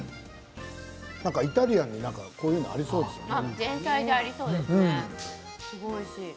イタリアンにこういうものありそうですね。